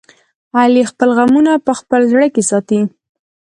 علي خپل غمونه په خپل زړه کې ساتي.